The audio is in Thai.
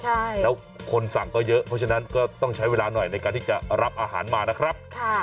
ใช่แล้วคนสั่งก็เยอะเพราะฉะนั้นก็ต้องใช้เวลาหน่อยในการที่จะรับอาหารมานะครับ